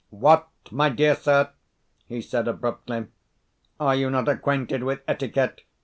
"What, my dear sir!" he said abruptly, "are you not acquainted with etiquette?